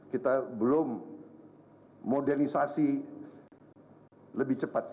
kita belum modernisasi lebih cepat